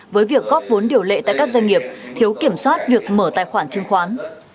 với việc góp vốn điều lệ tại các doanh nghiệp thiếu kiểm soát việc mở tài khoản chứng khoán